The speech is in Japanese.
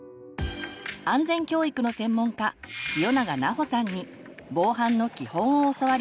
安全教育の専門家清永奈穂さんに防犯の基本を教わります。